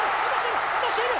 落としている！